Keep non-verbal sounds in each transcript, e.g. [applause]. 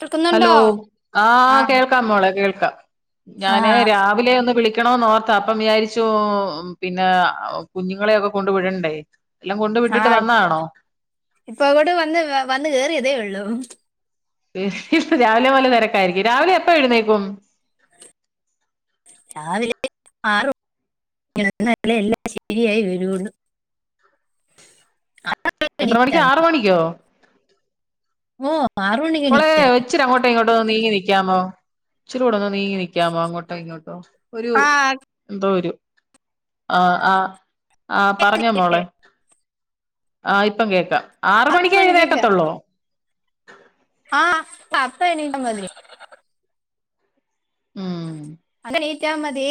കേൾക്കുന്നുണ്ടോ ഹലോ ആഹ് കേൾക്കാം മോളെ കേൾക്കാം ഞാന് ആഹ് രാവിലെ ഒന്ന് വിളി ക്കണോന്ന് ഓർത്താ അപ്പം വിചാരിച്ചു പിന്നെ കുഞ്ഞുങ്ങളെയൊക്കെ കൊണ്ടു വിടണ്ടേ. എല്ലാം കൊണ്ട് വിട്ടിട്ട് ആഹ് ഇപ്പൊ വന്നാണോ ഇപ്പങ്ങോട്ട് വന്ന് വന്ന് കേറിയതേ ഉള്ളു. രാവിലെ മൊതല് തെരക്കായിരിക്കും രാവിലെ എപ്പ എഴുന്നേക്കും? രാവിലെ ആറ് [unintelligible] എല്ലാം ശരിയായി വരന്ന്‌. എത്ര എണീറ്റാ മണിക്കാ ആറ് മതി മണിക്കോ? ഓഹ് ആറ് മണിക്കെണിക്ക ഇച്ചിരങ്ങോട്ടൊ ഇങ്ങോട്ടോ ഒന്ന് നീങ്ങനിക്കാമോ ച്ചീരൂടെ ഒന്ന് നീങ്ങി നി ക്കാമോ അങ്ങോട്ടോ ഇങ്ങോട്ടോ ഒരു ആഹ് എന്തോരു ആഹ് ആഹ് ആഹ് പറഞ്ഞോ മോളെ ഓക്കെ ആഹ് ഇപ്പം കേക്കാം ആറ് മണിക്കേഴുന്നേക്കത്തൊള്ളോ? ആഹ് അപ്പ എണീറ്റാ മതി. ഉം അണീറ്റാ മതി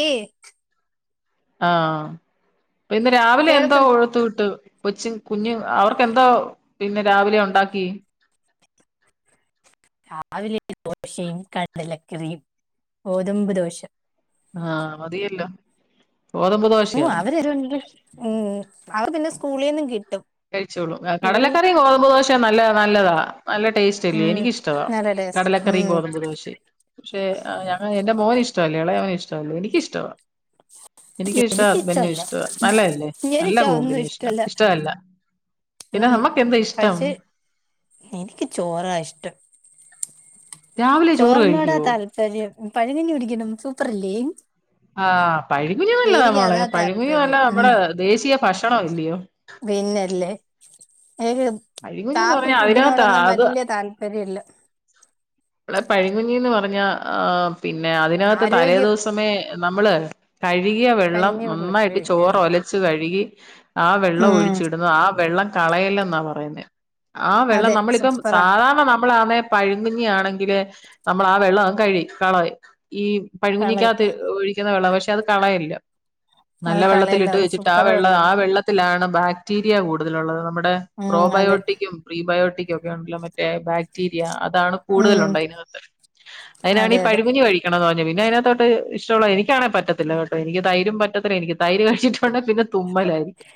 ആഹ് പ്പയിന്ന് രാവിലെ എന്തോ കേൾക്കുന്നു കൊടുത്തു വിട്ട്? കൊച്ച് കുഞ്ഞ് അവർക്കെന്തോ ഇന്ന് രാവിലെ ഒണ്ടാക്കി? രാവിലെ ദോശയും കടലക്കറിയും ഗോതമ്പ് ദോശ. ആഹ് മതിയല്ലോ. ഗോതമ്പ് ഓ [unintelligible] ഉം ദോശയാണ് അവർക്ക് പിന്നെ സ്കൂളീന്നും കിട്ടും. കഴിച്ചോളും ഇവിടുന്ന് കടലക്കറിം ഗോതമ്പ് ദോശേം നല്ല നല്ലതാ നല്ല ടേസ് റ്റില്ലേ ഉം എനിക്കഷ്ടവാ നല്ല ടേസ്റ്റ് കടലക്കറീം ഉം ഗോതമ്പ് ദോശെം. പക്ഷേ ഞ എന്റെ മോന് ഇഷ്ടവല്ല എളയോന് ഇഷ്ടവല്ല എനിക്കിഷ്ടവ. എനിക്ക് ഇഷ്ടവ എനിക്കിഷ്ടമല്ല ഹസ്ബൻഡിനിഷ്ടവ നല്ലതല്ലേ ഉം നല്ല എനിക്ക് അതൊന്നും കോമ്പിനേഷനാ ഇഷ്ടല്ല ഇഷ്ടവല്ല. ഉം കഴിച്ച് എനിക്ക് ചോറാ ഇഷ്ടം. രാവിലെ ചോറ് ചോറിനോടാ കഴിക്കുവോ താല്പര്യം പഴങ്ങഞ്ഞി കുടിക്കണം സൂപ്പറല്ലേ? ആഹ് പഴങ്കഞ്ഞി നല്ലതാ എനിക്ക് മോളെ അതാ പഴങ്കഞ്ഞി താല്പര്യം ഉം നമ്മടെ ദേശീയ ഭക്ഷണമല്ലിയോ? പിന്നല്ലേ എനിക്ക് പഴികുഞ്ഞിന്ന് കാപ്പി പറഞ്ഞാ അതിനകത്താ ഫുഡിനോടൊന്നും അത് വല്യ താല് വരില്ല ഇടെ പഴങ്ങഞ്ഞിന്ന് പറഞ്ഞാ ആഹ് പിന്നെ അതിനാത്ത് ആരോഗ്യം തലേദിവസമേ നമ്മള് കഴുകിയ വെള്ളം കഞ്ഞി നന്നായിട്ട് വെള്ളപ്പഴിക്കണം ചോറൊലച്ച് കഴുകി ആ വെള്ളം ഉം ഒഴിച്ചിടുന്നു ആ വെള്ളം കളയല്ലന്നാ പറയുന്നെ ആ വെള്ളം അതെ നമ്മളിപ്പം സൂപ്പറാ സാധാരണ നമ്മളാന്നേ പഴങ്ങഞ്ഞിയാണെങ്കി ങ്കില് നമ്മളാ ആ വെള്ളം അങ്ങ് കഴി കളയും ഈ കളയും പഴങ്ങഞ്ഞിക്കാത്ത് ഒഴി ക്ക്ന്ന വെള്ളാ പക്ഷെ അത് കളയില്ലാ നല്ല അത് കളയില്ല വെള്ളത്തിലിട്ട് അത് വെച്ചിട്ട് ആ സൂപ്പറ് വെള്ള ആ വെള്ളാണ് വെള്ള ത്തിലാണ് ബാക്ടീരിയ കൂടുതലൊള്ളത് നമ്മടെ ഉം അതെ പ്രോബയോട്ടിക്കും പ്രീ ബയോട്ടിക്കും ഒക്കെ ഒണ്ടല്ലോ മറ്റേ ബാക്ടീരിയ അതാണ് ഉം കൂടുതലൊണ്ട് അയിനകത്ത് അതിനാണീ അതെ അതെ പഴം കഞ്ഞി കഴി ക്കണോന്ന് പിന്നെ അയിനാട്ടോത്ത് ഇഷ്ട്ടവൊള്ളത് എനിക്കാണേ പറ്റത്തില്ലാ കേട്ടോ എനിക്ക് തൈരും പറ്റത്തില്ലാ എനിക്ക് തൈര് കഴിച്ചിട്ട് ട്ടൊണ്ടെ പിന്നെ തുമ്മലായിരിക്കും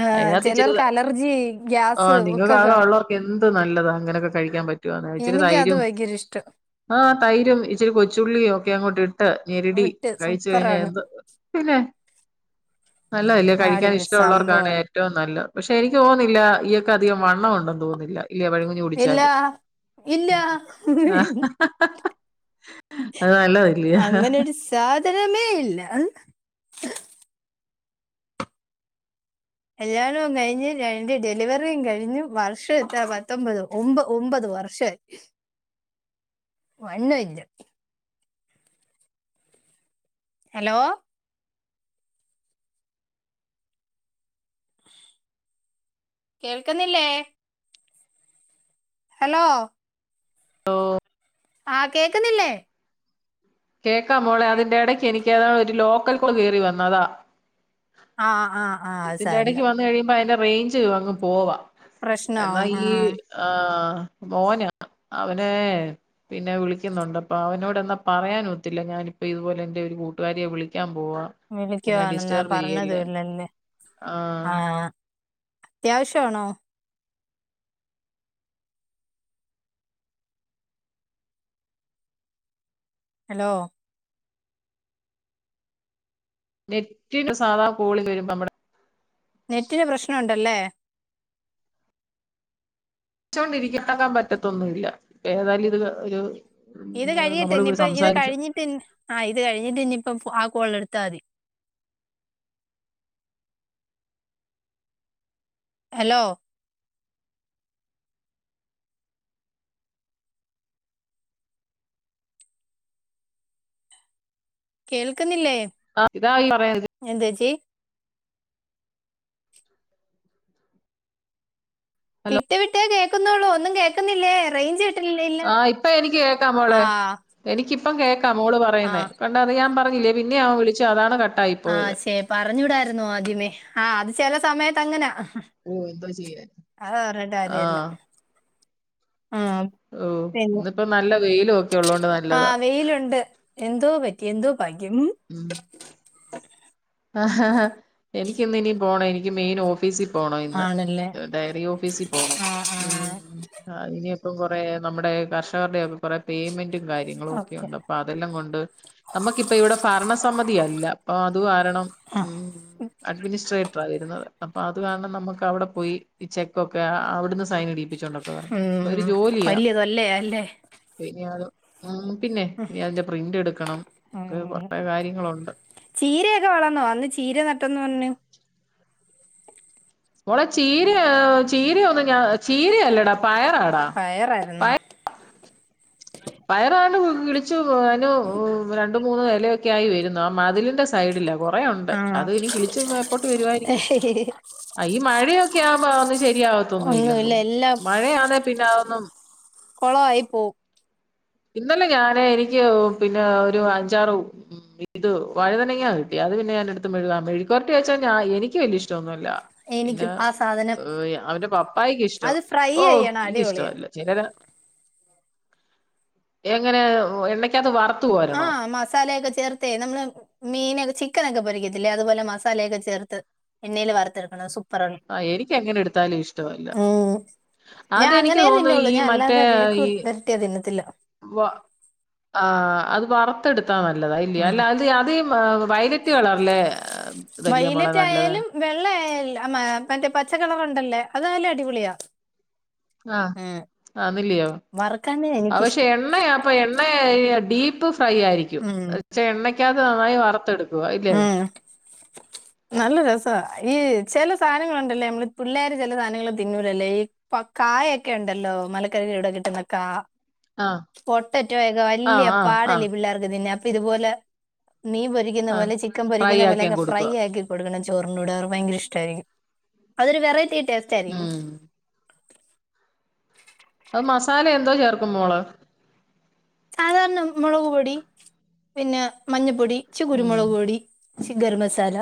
ആഹ് അയിനാത്ത് ഇച്ചിരെ ചിലർക്ക് അലർജി ഗ്യാസ് ആഹ് ഒക്കെ കാണും നിങ്ങക്ക് [unintelligible] എന്ത് നല്ലതാ അങ്ങനെയൊക്കെ കഴിക്കാൻ പറ്റുവാന്നേ ഇച്ചിരി എനിക്ക് തൈരും [unintelligible] ആഹ് തൈരും ഇച്ചിരി കൊച്ചുള്ളിയും ഒക്കെ അങ്ങോട്ട് ഇട്ട് ഞെരിടി വിട്ട് കഴിച്ച് കഴിഞ്ഞാ സൂപ്പറാണ് എന്ത് പിന്നെ നല്ലതല്ലേ കഴിക്കാൻ അടിപൊളി ഇഷ്ട്ടവൊള്ളവർക്കാണേ സംഭവാണ് ഏറ്റവും നല്ലെ പക്ഷെ എനിക്ക് തോന്ന്ന്നില്ലാ ഇയാക്ക് അധികം വണ്ണം ഒണ്ടെന്ന് തോന്നുന്നില്ലാ ഇല്ലേ പഴം കഞ്ഞി ഞ്ഞി ഇല്ല കുടിച്ചാലും ഇല്ല അത് നല്ലതല്ലിയോ അങ്ങനൊരു സാധനമേ ഇല്ലാ കല്യാണവും കഴിഞ്ഞ് രണ്ട് ഡെലിവറിയും കഴിഞ്ഞു വർഷം എത്രയാ പത്തൊമ്പത് ഒമ്പത് ഒമ്പത് വർഷം ഷായി വണ്ണം ഇല്ലാ ഹലോ കേൾക്കുന്നില്ലേ ഹലോ [unintelligible] ആഹ് കേക്കുന്നില്ലേ കേക്കാം മോളെ അതിന്റെ എടയ്ക്ക് എനിക്ക് ഒരു ലോക്കൽ കോള് കേറി വന്നു അതാ ആഹ് ആഹ് ആഹ് അത് ഇതിന്റെ സാരല്ല എടെക്ക് വന്ന് കഴിയുമ്പോ അതിൻ്റെ റേയിഞ്ച് അങ്ങ് പോവാ എന്നാ പ്രശ്നാവും ഈ ആഹ് ആഹ് മോനാ അവനെ പിന്നെ വിളിക്കുന്നൊണ്ട് അപ്പൊ അവനോട് എന്നാ പറയാൻ ത്തില്ലാ ഞാനിപ്പോ ഇതുപോലെ എന്റെ ഒരു കൂട്ടുകാരിയെ വിളിക്കാൻ പോവാ എന്നെ വിളിക്കുവാണെന്ന് ഡിസ്റ്റർബ് ചെയ്യല്ലേ പറഞ്ഞതും ഇല്ലല്ലേ ആഹ് അത്യാവശ്യാണോ? ഹലോ നെറ്റിനോ സാധാ കോളി വരുമ്പോ നമ്മടെ നെറ്റിന് പ്രശ്നവൊണ്ടല്ലേ? ച്ചോണ്ടിരിക്കത്താക്കാൻ പറ്റത്തൊന്നും ഇല്ല ഏതായാലും ഇത് ഒരു ഇത് കഴിയെട്ട് നമ്മളിവിടെ ഇനിയിപ്പം ഇത് സംസാരിച്ചു കഴിഞ്ഞിട്ട് ഇൻ ആഹ് ഇത് കഴിഞ്ഞിട്ട് ഇനിയിപ്പം ആ കോള് എടുത്താ മതി ഹലോ കേൾക്കുന്നില്ലേ ആഹ് ഇതാ ഈ [unintelligible] എന്താ ചേച്ചി? ഹലോ വിട്ട് വിട്ടേ കേക്കുന്നുള്ളൂ ഒന്നും കേൾക്കുന്നില്ലേ റേയിഞ്ച് ആഹ് ഇപ്പ എനിക്ക് കേക്കാം മോളെ ആഹ് എനിക്കിപ്പം കേക്കാം മോള് പറയുന്നേ ആഹ് കൊഴ [unintelligible] ഞാൻ പറഞ്ഞില്ലേ പിന്നേം അവൻ വിളിച്ചു അതാണ് കട്ട് ആഹ് ശെ പറഞ്ഞൂടായിരുന്നോ ആദ്യമേ ആഹ് അത് ചെല സമയത്ത് അങ്ങനാ ഓഹ് എന്തോ ചെയ്യാൻ അത് പറഞ്ഞിട്ട് ആ കാര്യെല്ലാ ആഹ് ഓഹ് പിന്നെ ഇന്നിപ്പോ നല്ല വെയിലും ഒക്കെ ഒള്ളതുകൊണ്ട് നല്ലതാ വെയില്ണ്ട്. എന്തോ പറ്റി എന്തോ ഭാഗ്യം. ഉം എനിക്കിന്നിനി പോണെനിക്ക് മെയിനോഫ് ഫീസി പോണ ഇന്ന് ആണല്ലേ ഡയറി ഓഫീസി പോണം ആഹ് ഉം ആഹ് അയ്നിപ്പം കൊറേ നമ്മടെ കർഷകർടെക്കെ കൊറെ പേയ്മെന്റും കാര്യങ്ങളോക്കെ ഉണ്ടപ് ഓക്കെ പ്പാതെല്ലാം കൊണ്ട് നമ്മക്കിപ്പ ഇവടെ ഭരണ സമ്മതിയല്ല അപ്പ അത് കാര ണം ഉം അഡ്മിനിസ്ട്രേറ്ററാ വെരുന്നത്. അപ്പ അത് കാരണം നമ്മക്കവടെ പോയി ഈ ചെക്കൊക്കെ അവട്ന്ന് സൈനിടി പ്പിച്ചോണ്ടക്കെ വെര്ണം ഉം ഒരു ജോലിയാ. വലിയ തൊല്ലയാ അല്ലേ പിന്നെ അത് ഉം പിന്നെ ഇനി അതിന്റെ പ്രിൻ്റെട്ക്കണം ഒക്കെ കൊറെ കാര്യങ്ങളൊണ്ട്. ചീരയക്കെ വളർന്നോ അന്ന് ചീര നട്ടെന്ന് പർഞ്ഞ്. മോളെ ചീര എഹ് ചീര ഒന്നു ഞാൻ ചീരയല്ലടാ പയറാടാ. പയറാര്ന്നാ? പയ പയറാണ്ട് കിളിച്ചു അയിനു രണ്ടു മൂന്ന് എലയൊക്കായി വെരുന്നു ആ മതിലിന്റെ സ് സൈഡില കൊറേ ഒണ്ട് ആഹ് അത് ഇനി കിളിച്ച് മേപ്പോട്ട് വെരുവായിരി [unintelligible] ആഹ് ഈ മഴയൊക്കാവുമ്പാന്നും ശെരിയാവത്തൊന്നുല്ലന്ന്‌ ഒന്നുമില്ല തോന്നു എല്ലാം മഴയാന്നേ പിന്നെ അതൊന്നും കൊളവായി പോവും. ഇന്നലെ ഞാന് എനിക്ക് പിന്നെ ഒരു അഞ്ചാറു [unintelligible] വഴ്തനങ്ങ്യാ കിട്ടി അത് പിന്നെ ഞാനെട്ത്ത് മെഴ്ക ആഹ് മെഴ്ക്കുവരട്ടി വെച്ചാ ഞാ എനിക്ക് വെല്ല്യഷ് ട്ടൊന്നുല്ല. പിന്നെ എനിക്കും ആ സാധനം എഹ് യ് അവന്റെ പപ്പായ്ക്ക് ഇഷ്ടവാ അത് ഫ്രൈ ഓഹ് ചെയ്യണം അടിപൊളിയാ എനിക്കിഷ്ടവല്ല ചെലര് എങ്ങനെ എണ്ണക്കാത്ത് വറ ആഹ് മസാലെക്കെ ചേർ ത്തെ നമ്മള് മീനെക്കെ ചിക്കനക്കെ പൊരിക്കത്തില്ലേ അത്പോലെ മസാലക്കെ ചേർത്ത്. എണ്ണേല് വറ്ത്തെടുക്കണം അത് സൂപ് ആഹ് എനിക്കെങ്ങനെ ട്ത്താലും ഇഷ്ടവല്ല. ഉം ഞാൻ അതെനിക്ക് അങ്ങനേ തോന്നുന്നു തിന്നുള്ളൂ ഈ ഞാൻ മറ്റേ അല്ലാതെ വിഴുക്ക് ഈ പെരട്ടിയാ തിന്നത്തില്ല വ ആഹ് അത് വറ ത്ത്ട്ത്താ നല്ലത ഇല്ല്യേ ഉം അല്ല അത് അതീ വയലറ്റ് കളറിലെ ഇതല്ലിയോ മോളെ നല്ലത് വൈലറ്റായാലും വെള്ളായാൽ ആ മാ മറ്റേ പച്ചക്കളറ്ണ്ടല്ലേ അതല്ല അടിപൊളിയാ. ആഹ് ഉം. ആന്നില്ല്യോ വറുക്കാനേ ആഹ് പക്ഷേ എനിക്കിഷ്ടം എ ണ്ണയാപ്പ എണ്ണേ ഡീപ്പ് ഫ്രൈയായിരിക്കും ഉം. ച്ചെ എണ്ണക്കാത്ത് നന്നായി വറ്ത്തെട് ക്കുവായില്ലേ? ഉം. നല്ല രെസ ഈ ചെല സാനങ്ങള്ണ്ടല്ലേ നമ്മള് പിള്ളേര് ചെലെ സാനങ്ങള് തിന്നൂലല്ലേ ഈ പ്പ കായെക്കെണ്ടല്ലോ മലക്കറിയുടെ കിട്ടുന്ന കാ ആഹ് പൊട്ടറ്റോയക്കെ വല്ല്യ ആഹ് ആഹ് ആഹ് പാടല്ലേ പിള്ളാർക്ക് തിന്നാൻ അപ്പിത്പോലെ മീൻ പൊരി ക്കുന്ന ആഹ് പോലെ ചിക്കൻ ഫ്രൈ പൊരിക്കുന്ന പോലക്കെ ആക്കിയങ്ങ് കൊടുക്കുവാ ഫ്രൈയാക്കി കൊട്ക്കണം ചോറിന്റുടെ അവർക്ക് ഭയങ്കരിഷ്ടായിരിക്കും. അതൊരു വെറൈറ്റി ടേസ്റ്റായിരിക്കും. ഉം അത് മസാല എന്തോ ചേർക്കും മോളെ? സാധാരണ മുളക് പൊടി പിന്നെ മഞ്ഞപ്പൊടിച്ചു ഇച്ചി ഉം കുരുമുളക് പൊടി. ഇച്ചി ഗരംമസാല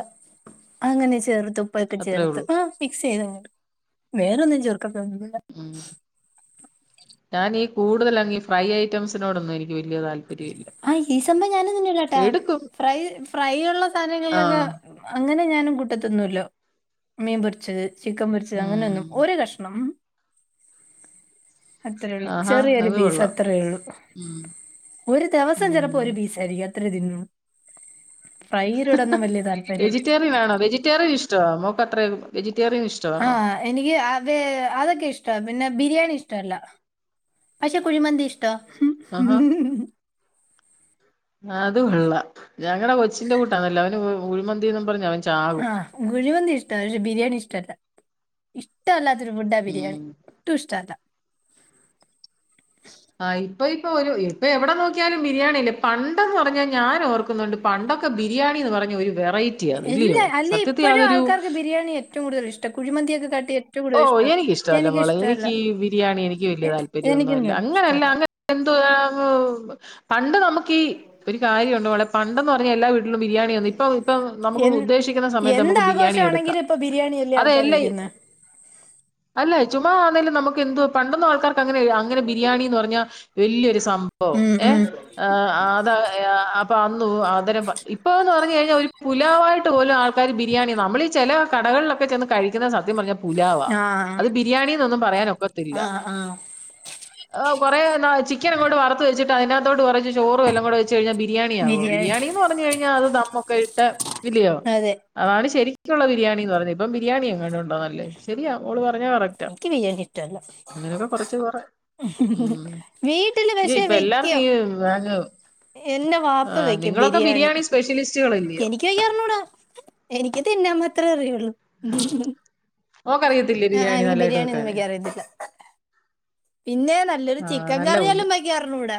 അങ്ങനെ ചേർത്ത് ഉപ്പെക്കെ അത്രേ ചേർത്ത്. ഉള്ളൂ ആഹ് മിക്സ് ചെയ്ത [unintelligible] വേറൊന്നും ചേർക്കത്തൊന്നുല്ല. ഉം ഞാനീ കൂടുതലങ്ങീ ഫ്രൈ ഐറ്റംസിനോടൊന്നും എനിക്ക് വെല്ല്യ താല് ഹയ് ഈ സംഭവം ഞാനൊന്നും തിന്നുല്ലട്ടാ എടുക്കും ഫ്രൈ ഫ്രൈ ഒള്ള സാനങ്ങളിലൊക്ക ആഹ് അങ്ങനെ ഞാനും കൂട്ടതിന്നോല്ലോ മീൻ പൊര്ച്ചത് ചിക്കൻ പൊര്ച്ചത് ഉം അങ്ങനൊന്നും ഒര് കഷ്ണം. അത്രയൊള്ളു ആഹാ ചെറിയൊരു അത് പീസ് കൊള്ളാം അത്രേയൊള്ളു. ഉം ദെവസം ഉം ചെലപ്പോ ഒരു പീസായിരിക്കും അത്രേ തിന്നൂ വെജിറ്റേറിയനാണോ വെജിറ്റേറിയൻ ഇഷ്ടവാ മോക്കത്ര വെജിറ്റേറിയൻ ആ ഇഷ്ടവാണോ എനിക്ക് അത് അതൊക്കെ ഇഷ്ട പിന്നെ ബിരിയാണി ഇഷ്ടല്ല പക്ഷെ കുഴിമന്തി ഇഷ്ടവ ആഹാ [inaudible] അതു കൊള്ള ഞങ്ങടെ കൊച്ചിന്റെ കൂട്ടാണല്ലോ അവന് കുഴിമന്തിന്നും പറഞ്ഞ അവൻ ചാകും ആഹ് കുഴിമന്തി ഇഷ്ട പക്ഷെ ബിരിയാണി ഇഷ്ടല്ല ഇഷ്ടല്ലാത്തൊരു ഫുഡ ബിരിയാണി ഉം ഒട്ടു ഇഷ്ടല്ല ആ ഇപ്പ ഇപ്പൊ ഒരു ഇപ്പ എവടെ നോക്കിയാലും ബിരിയാണിയല്ലെ പണ്ടെന്ന് പറഞ്ഞാ ഞാന് ഓർക്കുന്നുണ്ട് പണ്ടൊക്കെ ബിരിയാണിന്ന് പറഞ്ഞ ഒരു വെറൈറ്റിയാന്ന ഇല്ലിയോ എല്ലാ അല്ലെ സത്യത്തി ഇപ്പോഴും അതൊരു ആൾക്കാർക്ക് ബിരിയാണി ഏറ്റവും കൂടുതൽ ഇഷ്ട കുഴിന്തിയൊക്കെ കാട്ടി ഏറ്റവും കൂടുതൽ ഓഹ് ഇഷ്ടം എനിക്കിഷ്ടവല്ല മോളെ ഇഷ്ടമല്ല എനിക്ക് ബിരിയാണി എനിക്ക് വല്ല്യ എ- എനിക്കും താല്പര്യന്നുല്ല തന്നെ അങ്ങനെ അല്ല ഇഷ്ടമല്ല അങ്ങ എന്ത്‌ [unintelligible] പണ്ട് നമുക്കീ ഒരു കാര്യമുണ്ട് മോളെ പണ്ടെന്ന് പറഞ്ഞാ എല്ലാവീട്ടിലും ബിരിയാണി ഒന്നും ഇപ്പം ഇപ്പം നമുക്ക് ഉദ്ദേിക്കുന്ന സമയത്ത് നമുക്ക് ബിരിയാണി കിട്ടും എങ്കിലും ഇപ്പ ബിരിയാണിയല്ലേ ആൾക്കാര് കഴിക്കുന്നെ അല്ല ചുമ്മാ ആന്നേലും നമുക്ക് എന്തുവ പണ്ടൊന്നും ആൾക്കാർക്ക് അങ്ങനെ അങ്ങനെ ബിരിയാണിന്ന് പറഞ്ഞാ വല്ല്യൊരു സം ഭവം ഉം, ഏഹ് ഉം. ആ ആത അപ്പൊ അന്നു അതരം ഇപ്പന്ന് പറഞ് കഴിഞ്ഞാ ഒരു പുലാവായിട്ട് പോലും ആൾ ക്കാര് ബിരിയാണി നമ്മളീ ചെല കടകൾലോക്ക ചെന്ന് കഴിക്കുന്ന സത്യം പർഞ്ഞ പുലാവാ ആ അത് ബിരിയാണിന്നൊന്നും പറയാനൊക്കത്തില്ല ആ ആ ഓ കോറേ ന്ന ചിക്കന് അങ്ങോട്ട് വറത്ത് വെച്ചിട്ട് അതിനകത്തോട്ട് കോറച്ച് ചോറും എല്ലം കുടെ വെച്ച് കഴിഞ്ഞാ ബിരിയാണിയാവോ ബിരിയാണി ബിരിയാണിന്ന് പറഞ് കഴിഞ്ഞാ അത് ദമ്മൊക്ക ഇട്ട ഇല്ലിയോ അതെ അതാണ് ശരിക്കുള്ള ബിരിയാണിന്ന് പറഞ്ഞ ഇപ്പം ബിരിയാണി എങ്ങനുണ്ടോ നല്ലത് ശരിയാ ഓള് പറഞ്ഞത് കറക്റ്റാ എനിക്ക് ബിരിയാണി ഇഷ്ടമല്ല അങ്ങനെയൊക്കെ കൊറച്ച് കൊറേ ഉം വീട്ടിൽ ഇയ്യ് പക്ഷെ ഇപ്പ എല്ലാർക്കും വെക്കും ഈ വാങ എന്റെ വാപ്പ ആഹ് നിങ്ങളൊക്കെ ബിരിയാണി സ്പെഷ്യലിസ്റ്റുകളല്ലിയോ ക്ക്ഴി അർഞ്ഞൂട എനിക്ക് തിന്നാം മാത്രേ അറിയൊള്ളൂ ഓക്കറിയത്തില്ലേ ബിരിയാണി നല്ലായിട്ട് ഒന്നും വെക്കാന് വെക്കാൻ അറിയത്തില്ല പിന്നെ നല്ലൊരു ആഹ് ചിക്കൻ നല്ല കുഞ്ഞ് കറിയെലും വെക്കർഞ്ഞുട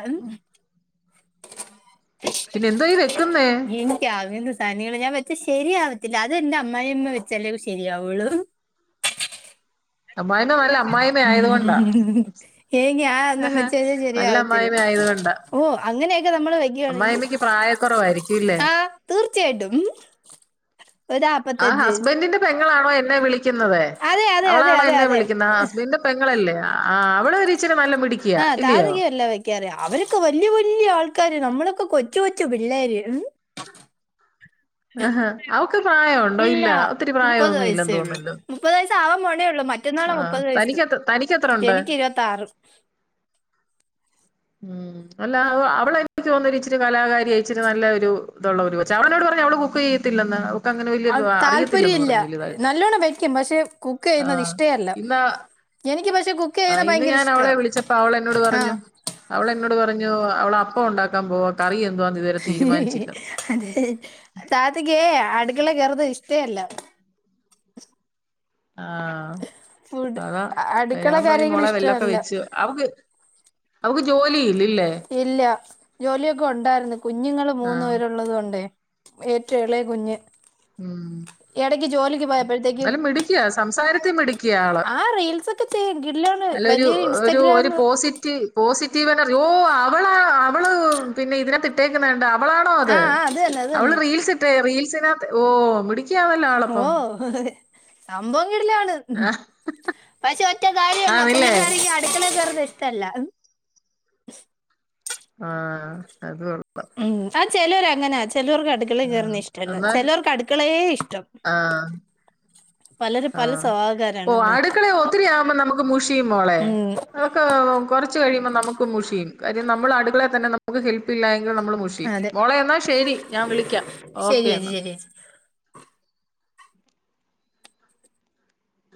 പിന്നെ എന്തോ ഈ വെക്കുന്നേ ഇൻക്ക് [unintelligible] സാനങ്ങള് ഞാൻ വെച്ച ശരിയാവത്തില്ല അത് എന്റെ അമ്മായമ്മ വെച്ചാലെ ശരിയാവോള്ളൂ അമ്മായിമ്മ നല്ല അമ്മായിമ്മ ഉം ആയത് കൊണ്ടാ ഏയ്‌ ഞാ അതൊന്നും വെചാല് നല്ല ശരിയാവത്തില്ല അമ്മായിമ്മ ആയത് കൊണ്ടാ ഓ അങ്ങനെയൊക്ക നമ്മള് വെ ണെങ്കി അമ്മായിമ്മയ്ക്ക് പ്രായക്കുറവായിരിക്കും ഇല്ലേ ആഹ് തീർച്ചയായിട്ടും ആ ഒരാപ്പത്തഞ്ച് ഹസ്ബൻഡിന്റെ പെങ്ങളാണോ എന്നെ വിളിക്കുന്നത് അതെ അതെ അവളാണോ അതെ എന്നെ അതെ വിളിക്കുന്ന ഹസ്ബൻഡ പെങ്ങളല്ലേ ആ അവളൊരു ഇച്ചിരി നല്ല മിടി ആ താത്തെക്കെ എല്ലാം വയ് ക്ക്യറിയ അവരൊക്കെ വല്ല്യ വല്ല്യ ആൾക്കാര് നമ്മളൊക്ക കൊച്ചു കൊച്ചു പിള്ളേര് ഉം ആഹാ അവക്ക് പ്രായൊണ്ടോ ഇല്ല ഒത്തിരി മുപ്പത് വയസ്സേ പ്രായൊന്നില്ലെന്ന് ഉള്ളൂ തോന്നല്ലോ മുപ്പത് വയസ്സാവാൻ പോണേള്ളു മറ്റേന്നാളാ മുപ്പത് വയസ്സ് തനിക്കെത്ര തനിക്കെത്ര ഉണ്ട് എനിക്ക് ഇരുപത്താറും ഉം അല്ല അവളനിക്ക് തോന്നുന്നു ഒരിച്ചിരി കലാകാരിയ ഇച്ചിരി നല്ല ഒരു ഇതുള്ളൊരു കൊച്ചാ അവളോട് പറഞ് അവള്- കുക്ക് ചെയ്യത്തില്ലന്ന് അത് താല്പര്യമില്ല നല്ലോണ്ണം വെക്കും പക്ഷെ കുക്ക് ചെയ്യുന്നത് ആഹ് ഇഷ്ടേല്ല ഇന്നാ എനിക്ക് പക് - ആഹ് ഇന്ന് ഞാൻ അവളെ വിളിച്ചപ്പം അവളെന്നോട് പറഞ്ഞു ആഹ് അവളെന്നോട് പറഞ്ഞു അവള് അപ്പം ഉണ്ടാക്കാൻ പോവാ കറി എന്തുവാ ഇതുവരെ- തീരുമാനിച്ചില്ലെന്ന് താത്തക്കേ അടുകളെ കേറുന്നത് ഇഷ്ട്ടവേ അല്ല ആഹ് ഫുഡ് അതാ അടുക്കള ഞാൻ പറഞ്ഞു കാര്യങ്ങൾ മോളെ വെല്ലൊക്കെ ഇഷ്ടമല്ല വെച്ചു- അവ്ക്ക് അവ്ക്ക് ജോലിയില്ലെ? ഇല്ല ജോലിയൊക്കൊണ്ടായിരുന്നു കുഞ്ഞുങ്ങള് മൂന്നു ആഹ് പേരുള്ളത് കൊണ്ടേ ഏറ്റോം എളയ കുഞ്ഞ് ഇടക്ക് ജോലിക്ക് പോയപ്പോഴത്തേക്കും എന്നാലും മിടിക്കിയാ സംസാരത്തി മിടിക്കിയാ ആള് ആ റീൽസൊക്കെ ചെയ്യും കിടിലവാണ് അല്ലൊരു ഒരു ഒരു പോസിറ്റീ പോസിറ്റീവ് എനർ ഓ അവളാണോ അവള് പിന്നെ ഇതിനെ പറ്റി - ഇട്ടേക്ക്ണ് കണ്ട് അവളാണോ ആ അത് ആ തന്നെ അത് അവള് തന്നെ റീൽസിട്ട് റീൽസിനത്ത് ഓ മിടുക്കി ഓഹ് സംഭവം കിടിലവാണ് ഉം പക്ഷെ ഒറ്റ കാര്യവുള്ളൂ ആണല്ലേ പുള്ളിക്കാരിക്ക് അടുക്കളേ കേരുന്നെ ഇഷ്ട്ടവല്ല. ആഹ് അത് ഒറപ്പാ ഉം ആ ചെലോര് അങ്ങനാ ചെലോർക്ക് അട് അടുക്കളേ ആഹ് കേറുന്നെ ഇഷ്ട്ടമല്ല എന്നാൽ ചെലോർക്ക് അടുക്കളേ ഇഷ്ട്ടം ആഹ് പലരും പല സ്വവാവക്കാരാണല്ലേ. ഒത്തിരിയാവുമ്പോ നമുക്ക് മുഷിയും മോളെ അതൊക്കെ കോറച്ച് കഴിയുമ്പോ നമു മുഷിയും കാര്യം നമ്മള് അടുകളേ തന്നെ നമുക്ക് ഹെൽപ്പില്ലായെങ്കിൽ നമ്മൾ മുഷി അതെ മോളെ എന്നാ ശരി ഞാൻ വിളിക്കാം ശരി ഓക്കേ ചേച്ചി എന്നാ ശരി ചേച്ചി